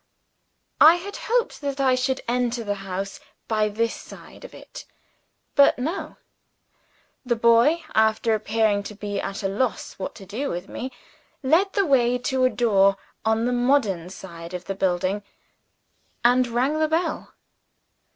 I had hoped that I should enter the house by this side of it. But no. The boy after appearing to be at a loss what to do with me led the way to a door on the modern side of the building, and rang the bell.